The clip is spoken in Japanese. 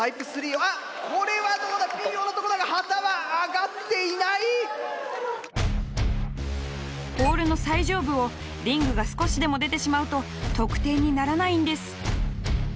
あっこれはどうだ⁉微妙なとこだが旗はあがっていない⁉ポールの最上部をリングが少しでも出てしまうと得点にならないんです！